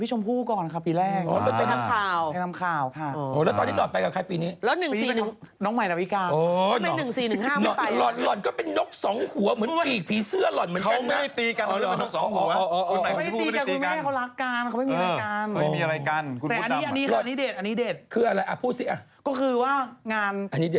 ให้เรียบชุดไปอ่ะ